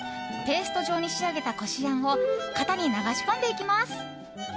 ペースト状に仕上げたこしあんを型に流し込んでいきます。